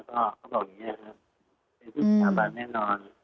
ก็เขาบอกอย่างนี้ครับเป็นที่สถาบันแน่นอน